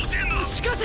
しかし。